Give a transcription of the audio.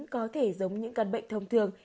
có thể giống những căn bệnh thông thường